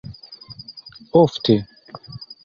ofte